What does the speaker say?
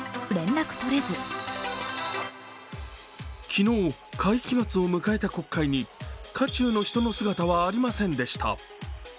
昨日、会期末を迎えた国会に渦中の人の姿はありませんでした。